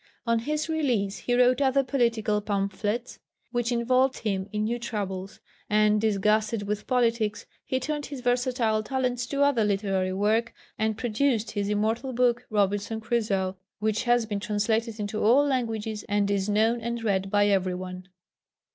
On his release he wrote other political pamphlets, which involved him in new troubles; and, disgusted with politics, he turned his versatile talents to other literary work, and produced his immortal book Robinson Crusoe, which has been translated into all languages, and is known and read by every one.